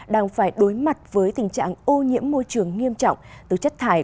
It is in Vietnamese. đang phải đối mặt với tình trạng ô nhiễm môi trường nghiêm trọng từ chất thải